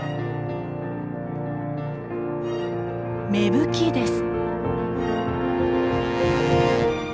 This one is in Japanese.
芽吹きです。